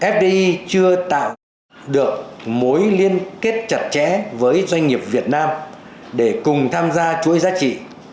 fdi chưa tạo được mối liên kết chặt chẽ với doanh nghiệp việt nam để cùng tham gia chuỗi giá trị